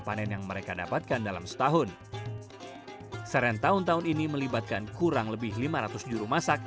panen yang mereka dapatkan dalam setahun serentau tahun ini melibatkan kurang lebih lima ratus jurumasak